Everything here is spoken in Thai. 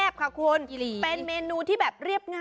พริกแบบ